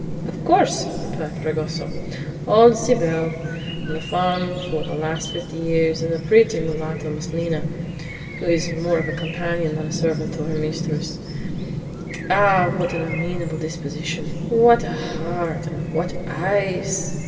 "Of course," replied Fragoso "old Cybele, on the farm for the last fifty years, and a pretty mulatto, Miss Lina, who is more of a companion than a servant to her mistress. Ah, what an amiable disposition! What a heart, and what eyes!